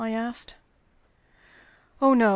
I asked. "Oh no!